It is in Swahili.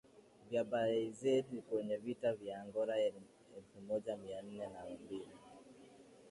vya Bayezid kwenye Vita vya Angora elfumoja mianne na mbili